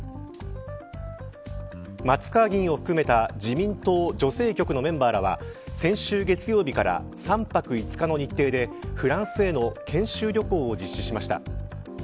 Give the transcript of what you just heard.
松川議員を含めた自民党女性局のメンバーらは先週月曜日から３泊５日の日程でフランスへの研修旅行を実施しました。